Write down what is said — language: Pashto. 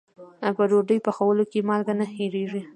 په ډوډۍ پخولو کې مالګه نه هېریږي.